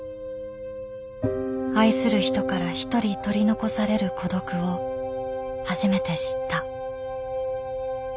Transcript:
愛する人からひとり取り残される孤独を初めて知った。